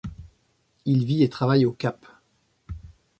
Il vit et travaille au Cap.